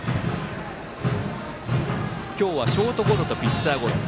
今日はショートゴロとピッチャーゴロ。